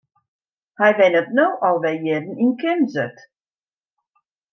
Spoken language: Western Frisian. Hy wennet no al wer jierren yn Kimswert.